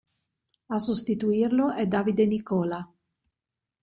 A sostituirlo è Davide Nicola.